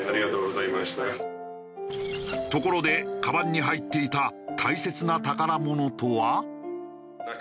ところでカバンに入っていた大切な宝物とは？